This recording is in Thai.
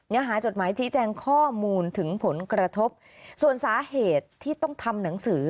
หาจดหมายชี้แจงข้อมูลถึงผลกระทบส่วนสาเหตุที่ต้องทำหนังสือ